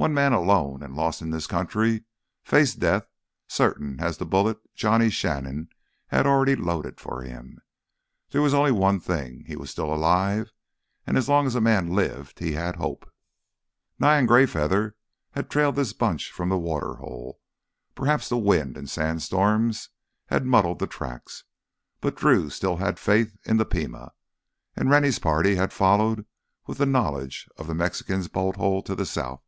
One man alone and lost in this country faced death as certain as the bullet Johnny Shannon had already loaded for him. There was only one thing—he was still alive, and as long as a man lived he had hope. Nye and Greyfeather had trailed this bunch from the water hole. Perhaps the wind and sand storms had muddled the tracks, but Drew still had faith in the Pima. And Rennie's party had followed with the knowledge of the Mexican's bolt hole to the south.